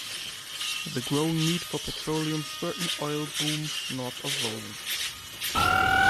The growing need for petroleum spurred an oil boom north of Volant.